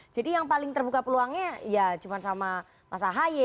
jadi yang paling terbuka peluangnya ya cuma sama mas ahaye